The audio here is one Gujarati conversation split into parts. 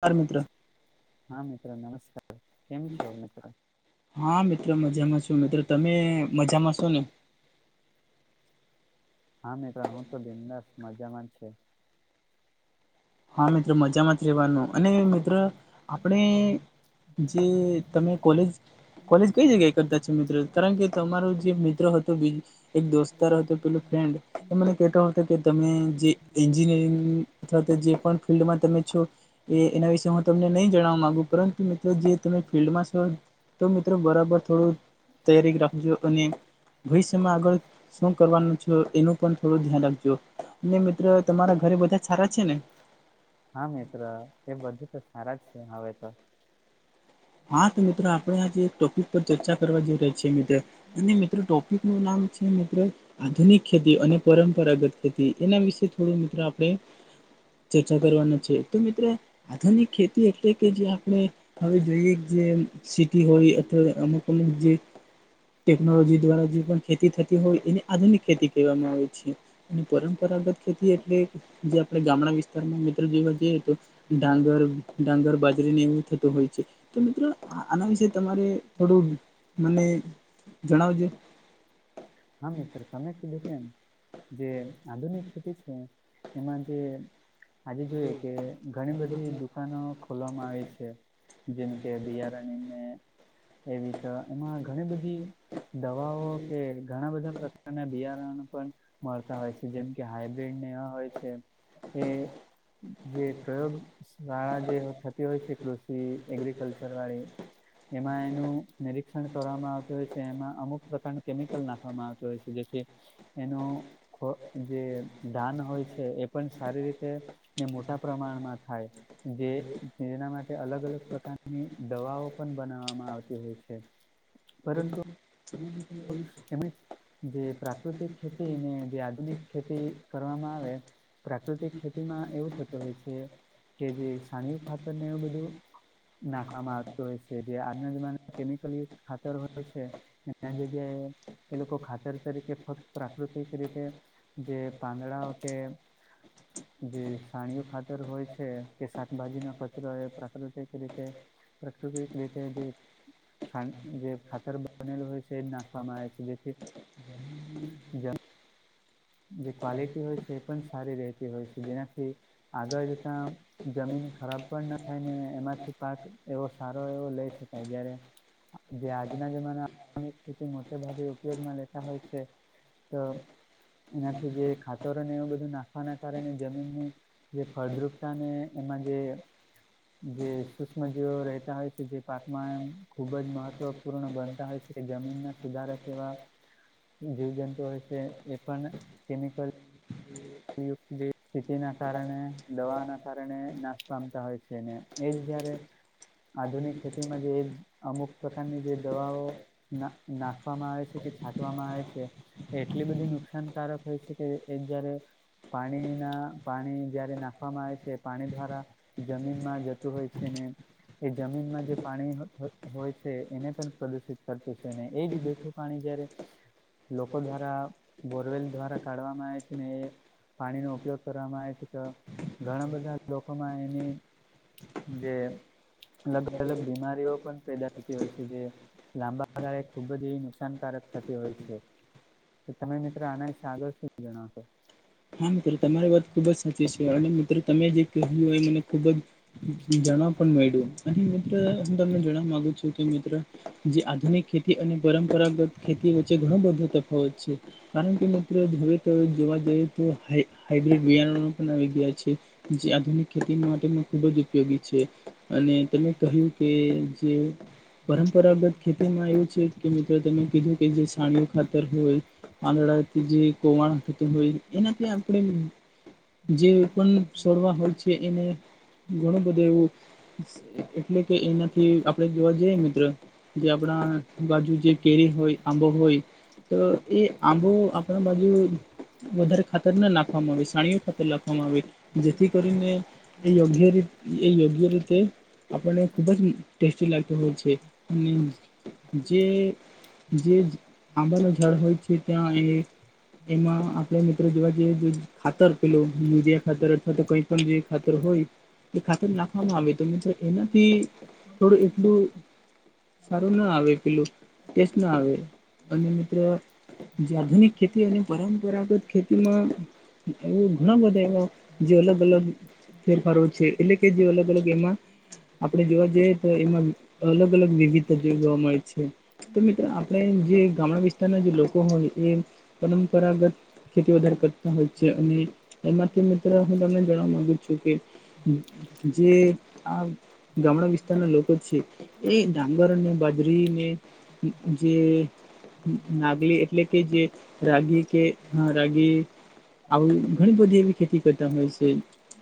હા, મિત્ર. હા, મિત્ર, નમસ્કાર. કેમ છો મિત્ર? હા, મે હું તો બિન્દાસ મજામાં છું. હા, મિત્ર મજામાં જ રહેેવાનું. અને મિત્ર આપણે જે તમે કોલેજ કોલેજ કંઈ જગ્યાએ કરતા છે, મિત્ર કારણ કે તમારો જે મિત્ર હતો બીજો એક દોસ્તાર હતો પેલો ફ્રેન્ડ હમ્મ. કે હતો, કે તમે જે એન્જિનિયરિંગ અથવા તો જે પણ ફિલ્ડમાં તમે છો. એ, એના વિશે હું તમને નહીં જણવા માંગુ, પરંતુ મિત્રો જે તમે ફિલ્ડમાં છો તો મિત્રો બરાબર થોડું તૈયારી રાખજો અને ભવિષ્યમાં આગળ શું કરવાનું છે, એનું પણ થોડું ધ્યાન રાખજો. ને મિત્રો, તમારા ઘરે બધા સારા છે ને? હા, મિત્ર, એ બધું તો સારા જ છે, હવે તો હા, તો મિત્રો આપણે આજે ટોપિક પર ચર્ચા કરવા જઈ રહ્યા છીએ, મિત્ર. અને મિત્રો, ટોપિક નું નામ છે, મિત્રો આધુનિક ખેતી અને પરંપરાગત ખેતી, એના વિશે થોડું મિત્રો, આપણે ચર્ચા કરવાના છે. તો મિત્ર, આધુનિક ખેતી એટલે કે, જે આપણે હવે જોઈએ જે સિટી હોય, અથવા અમુક, અમુક જે ટેકનોલોજી દ્વારા જે પણ ખેતી થતી હોય, એને આધુનિક ખેતી કહેવામાં આવે છે. અને પરંપરાગત ખેતી એટલે જે આપડે ગામડા વિસ્તારમાં, મિત્રો, જોવા જઈએ, તો ડાંગર, ડાંગર, બાજરીને એવું થતો હોય છે. તો મિત્રો, આના વિશે, તમારે થોડું મને જણાવજો. હા, મિત્ર, તમે કીધું, કેમ જે આધુનિક ખેતી છે, એમાં જે આજે જોઈએ કે ઘણી બધી દુકાનો ખોલવામાં આવે છે, જેમ કે બિયારણને એવી તો એમાં ઘણી બધી દવાઓ કે ઘણા બધા પ્રકારના બિયારણ પણ મળતા હોય છે, જેમ કે હાઈબ્રિડ નેવા હોય છે, તે જે પ્રયોગ શાળા જે થતી હોય છે કૃષિ એગ્રિકલ્ચર વાળી એમાં એનું નિરીક્ષણ કરવામાં આવતું હોય છે એમાં અમુક પ્રકારનું કેમિકલ ના તું હોય છે જેથી એનો ખો જે ઘાન હોય છે એ પણ સારી રીતે ને મોટા પ્રમાણમાં થાય જે જેનામે કે અલગ અલગ પ્રકારની દવાઓ પણ બનાવવામાં આવતી હોય છે. [unintelligible] એમ જે પ્રાકૃતિક ખેતી ને જે આધુનિક ખેતી કરવામાં આવે પ્રાકૃતિક ખેતીમાં એવું થતું હોય છે કે જે છાણીયું ખાતરને એવું બધું નાખવામાં આવતું હોય છે જે આજના જમાના કેમિકલ ખાતર હોય છે એ જગ્યાએ એ લોકો ખાતર તરીકે ફક્ત પ્રાકૃતિક રીતે જે પાંદડાઓ કે જે છાણીયું ખાતર હોય છે કે શાકભાજી નો કચરો એ પ્રાકૃતિક રીતે પ્રાકૃતિક રીતે જે ખા જે ખાતર બનેલો હોય છે. છે એ નાખવામાં આવે છે જેથી જ જે ક્વોલિટી હોય છે એ પણ સારી રહેતી હોય છે જેનાથી આગળ જતા જમીન ખરાબ પણ ના થાય ને એમાંથી પાક એવો સારો એવો લઈ શકાય જયારે જે આજના જમાના ખેતી મોટે ભાગે ઉપયોગમાં લેતા હોય છે તો એનાથી જે ખાતરને એવું બધું નાખવાના કારણે જમીનની જે ફળદ્રુપતાને એમાં જે જે સુક્ષ્મ જીવો રહેતા હોય છે જે પાકમાં એમ ખુબ જ મહત્વ પૂર્ણ બનતા હોય છે કે જમીનના સુધારાક એવા [inaudible] જીવજંતુ હોય છે એ પણ કેમિકલ [inaudible] યુક્ત ખેતિ ના કારણે દવા ના કારણે નાશ પામતા હોય છેને એ જ જયારે આધુનિક ખેતીમાં જે અમુક પ્રકારની જે દવાઓ ના નાખવામાં આવે છે કે છાંટવામાં આવે છે એટલી બધી નુકસાનકારક હોય છે કે એ જયારે પાણી ના પાણી જયારે નાખવામાં આવે છે પાણી દ્વારા જમીન માં જતું હોય છે ને એ જમીનમાં જે પાણી હોય છે એને પણ પ્રદુષિત કરતું છે ને એ જ બેઠું પાણી જયારે લોકો દ્વારા બોરવેલ દ્વારા કાઢવામાં આવે છે ને એ પાણીનો ઉપયોગ કરવામાં આવે છે તો ઘણા બધા લોકોમાં એની જે અલગ અલગ બીમારીઓ પણ પેદા થતી હોય છે જે લાંબા ગાળે ખુબ જ એ નુકસાનકારક થતી હોય છે તો તમે મિત્રો આના વિશે આગળ શું જણાવશો હા, મિત્રો તમારી વાત ખુબ જ સાચી છે અને મિત્રો તમે જે કહ્યું હો એ મને ખુબ જ જણા પણ મળ્યું અને મિત્ર હું તમને જણવા માગુ છું મિત્ર જે આધુનિક ખેતી અને પરંપરાગત ખેતી વચ્ચે ઘણો બધો તફાવત છે કારણ કે મિત્રો હવે તવે જોવા જઈ તો હ હાઈબ્રિડ બીયારણો પણ આવી ગયા છે જે આધુનિક ખેતી માટેનો ખૂબ જ ઉપયોગી છે અને તમે કહ્યું કે જે પરંપરાગત ખેતીમાં એવું છે કે મિત્રો તમે કીધું કે જે સાણ ખાતર હોય આંધડાથી જે કોવાણ થતું હોઈ એનાથી આપણે જે પણ સોડવા હોય છે એને ઘણું બધું એવું એટલે કે એનાથી આપણે જોવા જઈએ મિત્ર જે આપણા બાજુ જે કેરી હોય આંબો હોય તો એ આંબો આપણા બાજુ વધારે ખાતર ના નાખવામાં આવે સાણીઓ ખાતર નાખવામાં આવે જેથી કરીને એ યોગ્ય રીત, એ યોગ્ય રીતે આપણને ખુબ જ ટેસ્ટી લાગતી હોય છે અને જે જે આંબાનું ઝાડ હોય છે ત્યાં એ હ આપણે મિત્રો જોવા જેઈએ તો ખાતર પેલો મીડિયા ખાતર અથવા તો કઈ પણ જે ખાતર હોય એ ખાતર નાખવામાં આવે તો મિત્રો એનાથી થોડું એટલું સારું ના આવે પેલું ટેસ્ટ ના આવે અને મિત્ર જે આધુનિક ખેતી અને પરંપરાગત ખેતીમાં એવું ન બને જે અલગ અલગ ફેરફારો છે એટલે કે જે અલગ અલગ એમાં આપડે જોવા જઈએ તો એમાં અલગ અલગ વિવિધતા જો જોવા મળે છે તો મિત્ર આપણે જે ગામડા વિસ્તારના જે લોકો હોય એ પરંપરાગત ખેતી વધાર કરતા હોય છે અને એમાંથી મિત્ર હું તમને જણાવા માંગુ છું કે જે આ ગામડા વિસ્તારના લોકો છે એ ડાંગરને બાજરીને જે નાગલી એટલે કે જે રાગી કે હા રાગી આવી ઘણી બધી એવી ખેતી કરતા હોય સે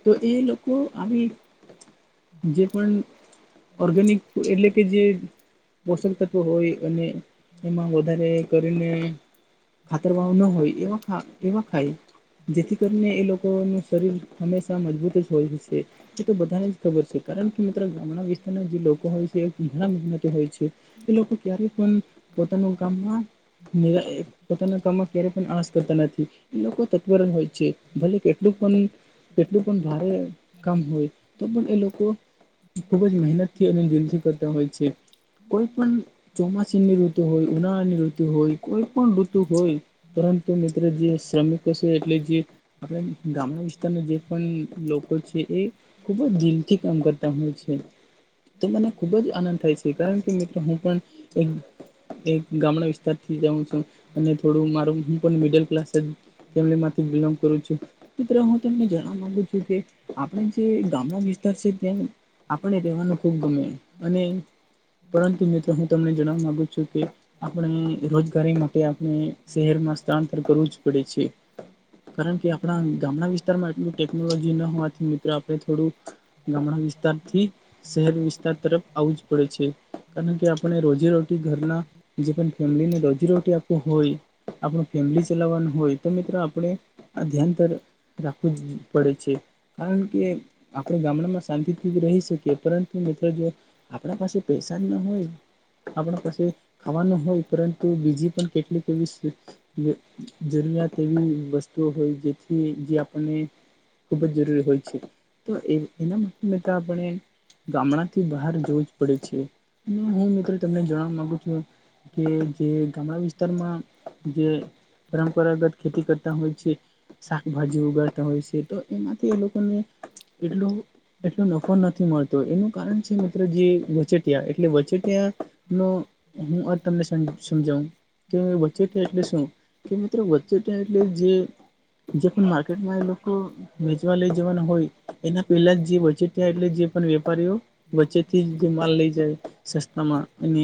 તો એ લોકો આવી જે પણ ઓર્ગેનિક એટલે કે જે પોષક તત્વો હોય અને એમાં વધારે કરીને ખાતરવાવ ન હોય એવા એવાખાય જેથી કરીને એ લોકોનું શરીર હંમેશા મજબૂત જ હોય છે એ તો બધાને જ ખબર છે કારણ કે મિત્ર ગામડા વિસ્તારના જે લોકો હોય છે એ ઘણા મહેનતુ હોય છે એ લોકો ક્યારે પણ પોતાનું કામમાં, પોતાના કામમાં ક્યારે પણ આસ કરતા નથી એ લોકો તત્વર હોય છે ભલે કેટલુંક પણ કેટલું પણ ભારે કામ હોય તો પણ એ લોકો ખુબ જ મહેનતથી અને દિલથી કરતા હોય છે કોઈ પણ ચોમાસીની ઋતુ હોય, ઉનાળાની ઋતુ, હોય કોઈ પણ ઋતુ હોય તો મિત્ર જે શ્રમિકો સે એટલે જે આપણે ગામ વિસ્તારના જે પણ લોકો છે એ ખુબ જ દિલ થી કામ કરતા હોય છે તો મને ખુબ જ આનંદ થાય છે કારણ કે મિત્રો હું પણ એક ગામડા વિસ્તાર થી જઉં છું અને થોડું મારું મિડલ ક્લાસ ફેમિલ થી બિલોન્ગ કરું છું મિત્રો હું તમને જણાવ ક માંગુ છું કે આપણે જે ગામના વિસ્તાર છે ત્યાં આપણે એ રહેવાનું ખૂબ ગમે અને પરંતુ મિત્રો હું તમને જણવા મામાંગુ છું કે આપણે રોજગારી માટે આપણે શહેરમાં સ્થળાંતર કરવું જ પડે છે. કારણ કે આપણા ગામડા વિસ્તારમાં એટલું ટેકનોલોજી ન હોવાથી મિત્રો આપણે થોડું ગામડા વિસ્તાર થી શહેર વિસ્તાર તરફ આવું જ પડે છે કારણ કે આપણે રોજીરોટી ઘરના જે પણ ફેમિલી ને રોજીરોટી આપવું હોય આપણું ફેમલી ચલાવવાનું હોય તો મિત્રો આપણે આ ધ્યાન ત રાખવું જ પડે છે. કારણ કે આપણે ગામડામાં શાંતિથી રહી શકીએ પરંતુ મિત્રો જો આપણા પાસે પૈસા ના હોય આપણા પાસે ખાવાનું હોય પરંતુ બીજી પણ કેટલીક એવી જરૂરિયાત એવી વસ્તુઓ હોય જેથી જે આપણને ખૂબ જ જરૂરી હોય છે. તો એ એના તો આપણે ગામડાથી બહાર જવું જ પડે છે. હું મિત્રો તમને જણાવા માંગુ છું કે જે ગામડા વિસ્તારમાં જે પરંપરાગત ખેતી કરતા હોય છે. શાકભાજી ઉગાડતા હોય છે, તો એમાંથી એ લોકોને એટલું એટલો નફો નથી મળતો એનું કારણ છે મિત્રો જે વચેટિયા એટલે વચેટિયા ન હું આ તમને સમજાવું કે વચ્ચે કે એટલે શું કે મિત્રો વચેટિયા એટલે જે પણ માર્કેટમાં એ લોકો વેચવા લઈ જવાના હોય એના પહેલા જે વચેટિયા એટલે જે પન વેપારીઓ વચેથી જ જે માલ લઇ જાય સસ્તામાં અને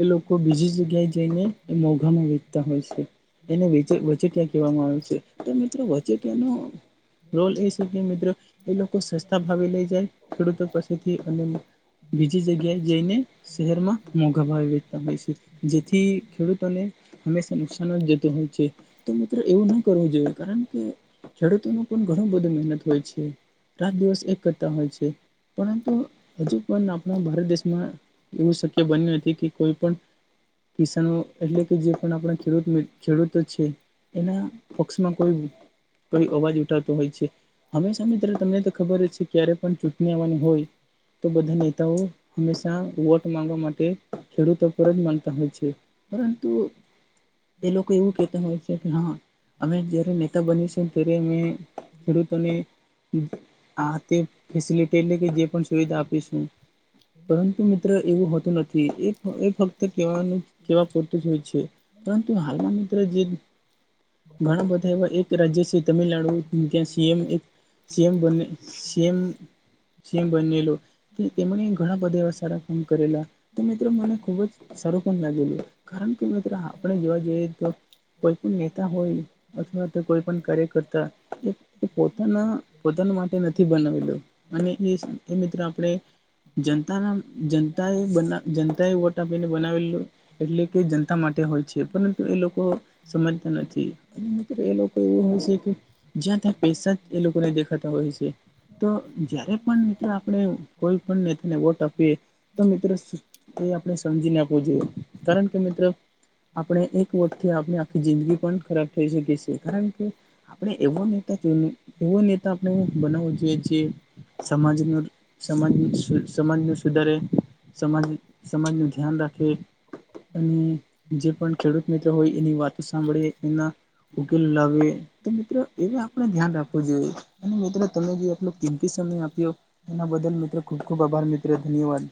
એ લોકો બીજી જગ્યાએ જઈને એ મોંઘામાં વે તા હોય છે એને વચેટિયા કહેવામાં આવે છે તો મિત્રો વચેટિયાનો રોલ એ છે કે મિત્રો એ લોકો સસ્તા ભાવે લઈ જાય ખેડૂતો પાસેથી અને બીજી જગ્યાએ જઈને શહેરમાં મોઘા ભાવી વેચતા હોય છે જેથી ખેડૂતોને હંમેશા નુકસાન જ જતું હોય છે તો મિત્ર એવું ના કરવું જોઈએ કારણ કે ખેડૂતોનો પણ ઘણું બધું મહેનત હોય છે. રાત દિવસ એક કરતા હોય છે પરંતુ હજુ પન આપના ભારત દેશમાં એવું શક્ય બન્યું નથી કે કોઈ પણ કિસાનો એટલે કે જે પણ આપણે ખેડૂત ખેડૂત જ છે એના પક્ષમાં કોઈ કઈ અવાજ ઉઠાવતો હોય છે. હંમેશા મિત્ર તમને તો ખબર જ છે ક્યારે પણ ચૂંટણી આવવાની હોય તો બધા નેતાઓ હંમેશા વોટ માંગવા માટે ખેડૂતો પર જ માનતા હોય છે પરન તું એ લોકો એવું કેતા હોય છે કે હા અમે જયારે નેતા બનીશું ત્યારે અમે ખેડૂતોને આ તે ફેસિલિટી એટલે કે જે પણ સુવિધા આપીશું. પરંતુ મિત્ર એવું હોતું નથી એ ફ એ ફક્ત કેવાનું કેવા તુ જ હોય છે પરંતુ હાલમાં મિત્ર જે ઘણા બધા એવા એક રાજ્ય છે તમિલનાડુ સીએમ સીએમ બને સીએમ સીએમ બનેલો કે એમણે ઘણા બધા એવા સારા કામ કરેલા તો મિત્રો મને ખુબ જ સારું પન લાગેલું. કારણ કે મિત્રો આપણે જોવા જઈએ તો કોઈ પણ નેતા હોય અથવા તો કોઈ પણ કાર્ય કરતા પોતાના પોતાના માટે નથી બનાવેલું. અને એ એ મિત્રો આપણે જનતાના જનતાએ બના જનતાએ વોટ આપીને બનાવેલું એટલે કે જનતા માટે હોય છે પરંતુ એ લોકો સમજતા નથી અને મિત્રો એ લોકો એવું હશે કે જ્યાં ત્યાં પૈસા જ એ લોકોને દેખાતા હોય છે. તો જયારે પણ મિત્ર નેતા આપણે કોઈ પણ નેતાને વોટ આપીએ તો મિત્ર એ આપણે સમજી ને આપવું જોઈએ. કારણ કે મિત્ર. આપણે એક વોટથી આપણે આખી જિંદગી પણ ખરાબ થઈ શકે છે કારણ કે આપણે એવો નેતા ચુને એવો નેતા આપણે બનાવવો જોઈએ જે સમાજનું સમાજ સમાજને સુધારે. સમાજ સમાજનું ધ્યાન રાખે. અને જે પણ ખેડૂત મિત્ર હોય એની વાતો સાંભળી એના ઉકેલ લાવે. તો મિત્ર એ આપણે ધ્યાન રાખવું જોઈએ અને મિત્ર તમે જે એટલો કિંમતી સમય આપ્યો એના બદલ મિત્ર ખૂબ-ખૂબ આભાર મિત્ર ધન્યવાદ.